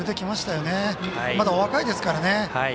まだお若いですからね。